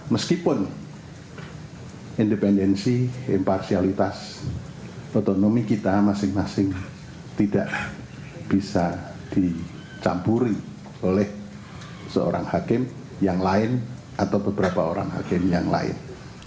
meskipun independensi imparsialitas otonomi kita masing masing tidak bisa dicampuri oleh seorang hakim yang lain atau beberapa orang hakim yang lain